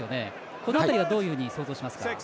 この辺りはどういうふうに想像しますか？